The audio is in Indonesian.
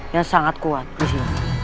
yang sangat kuat di luar